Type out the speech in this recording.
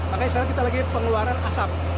makanya sekarang kita lagi pengeluaran asap